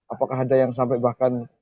apakah ada yang sampai bahkan